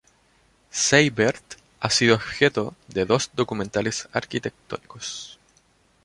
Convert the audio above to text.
Seibert ha sido objeto de dos documentales arquitectónicos.